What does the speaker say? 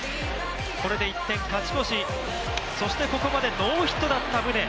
これで１点勝ち越し、そしてここまでノーヒットだった宗。